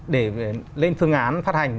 để lên phương án phát hành